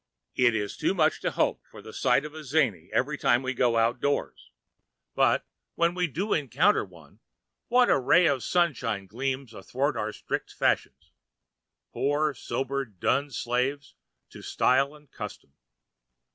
It is too much to hope for the sight of a zany every time we go out doors, but, when we do encounter one, what a ray of sunshine gleams athwart our strict fashions poor sober dun slaves to style and custom!